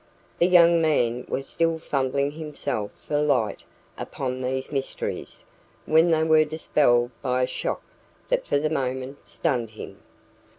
The young man was still fumbling himself for light upon these mysteries, when they were dispelled by a shock that for the moment stunned him.